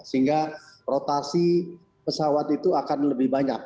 sehingga rotasi pesawat itu akan lebih banyak